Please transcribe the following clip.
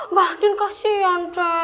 mba andien kasihan